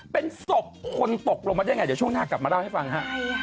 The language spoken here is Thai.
เป็นศพคนตกลงมาได้ไงเดี๋ยวช่วงหน้ากลับมาเล่าให้ฟังฮะ